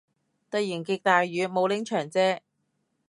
突然極大雨，冇拎長遮